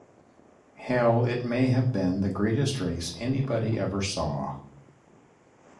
Hell, it may have been the greatest race anybody ever saw.